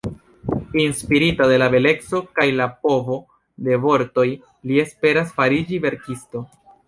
Inspirita de la beleco kaj la povo de vortoj, li esperas fariĝi verkisto.